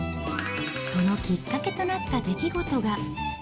そのきっかけとなった出来事が。